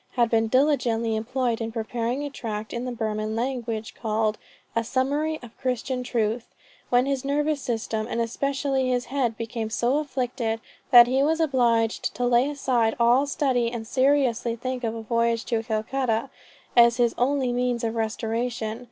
had been diligently employed in preparing a Tract in the Burman language called 'A Summary of Christian Truth;' when his nervous system, and especially his head became so afflicted, that he was obliged to lay aside all study, and seriously think of a voyage to Calcutta as his only means of restoration.